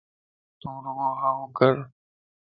تو رڳو ھائوڪَر